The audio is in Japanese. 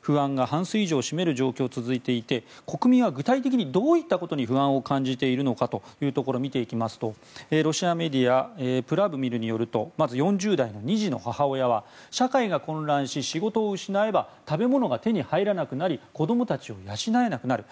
不安が半数以上占める状況続いていて国民は具体的にどういったことに不安を感じているのか見ていきますと、ロシアメディアプラブミルによるとまず４０代の２児の母親は社会が混乱し、仕事を失えば食べ物が手に入らなくなり子供たちを養えなくなる。